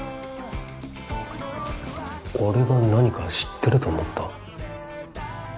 俺が何か知ってると思った？